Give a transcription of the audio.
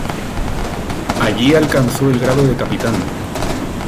Allí alcanzó el grado de capitán.